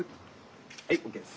・はいＯＫです。